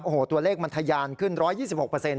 โอ้โหตัวเลขมันทะยานขึ้น๑๒๖เปอร์เซ็นต์